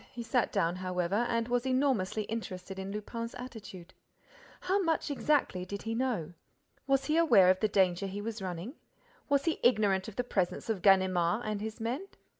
He sat down, however, and was enormously interested in Lupin's attitude. How much exactly did he know? Was he aware of the danger he was running? Was he ignorant of the presence of Ganimard and his men?